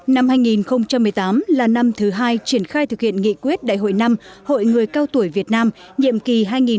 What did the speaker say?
năm hai nghìn một mươi tám là năm thứ hai triển khai thực hiện nghị quyết đại hội năm hội người cao tuổi việt nam nhiệm kỳ hai nghìn một mươi năm hai nghìn hai mươi